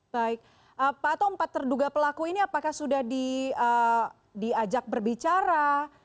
baik pak ato empat terduga pelaku ini apakah sudah diajak berbicara